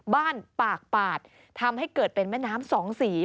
ปากปาดทำให้เกิดเป็นแม่น้ำสองสี